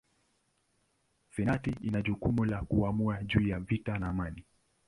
Senati ina jukumu la kuamua juu ya vita na amani.